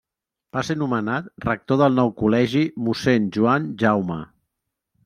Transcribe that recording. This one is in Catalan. Va ser nomenat rector del nou col·legi Mossèn Joan Jaume.